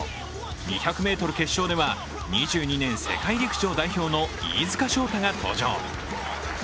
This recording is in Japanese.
２００ｍ決勝では２２年世界陸上代表の飯塚翔太が登場。